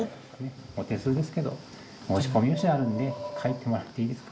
お手数ですけど申し込み用紙があるので書いてもらっていいですか？